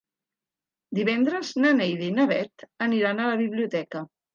Divendres na Neida i na Bet aniran a la biblioteca.